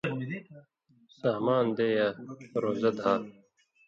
سامان دے یا روزہ دھا،